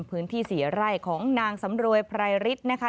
พื้นที่สี่ไร่ของนางสำรวยพรายฤทธิ์นะคะ